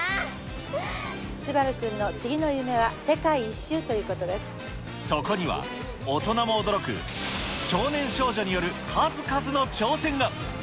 素晴君の次の夢は世界一周とそこには、大人も驚く少年少女による数々の挑戦が。